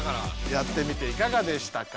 やってみていかがでしたか？